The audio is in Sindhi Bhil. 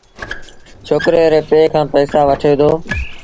ڇوڪري ري پي کآݩ پئيٚسآ وٺي دو۔